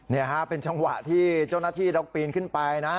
นี่ฮะเป็นจังหวะที่เจ้าหน้าที่ต้องปีนขึ้นไปนะ